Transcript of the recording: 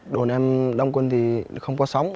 đồn em đông quân thì không có sóng